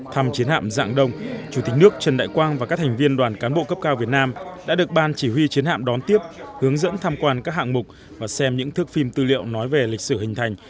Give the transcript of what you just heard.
thăm chiến hạm dạng đông chủ tịch nước trần đại quang và các thành viên đoàn cán bộ cấp cao việt nam đã được ban chỉ huy chiến hạm đón tiếp hướng dẫn tham quan các hạng mục và xem những thước phim tư liệu nói về lịch sử hình thành